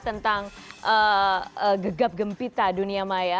tentang gegap gempita dunia maya